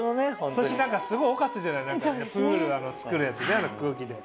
今年何かすごい多かったじゃないプール作るやつね空気で。